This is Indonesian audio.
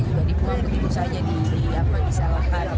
juga dipuang putih busanya di apa misalnya